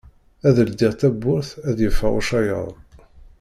Ad ldiɣ tawwurt ad yeffeɣ ucayaḍ.